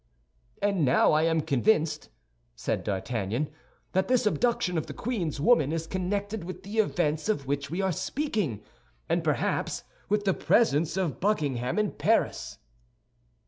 "And now I am convinced," said D'Artagnan, "that this abduction of the queen's woman is connected with the events of which we are speaking, and perhaps with the presence of Buckingham in Paris."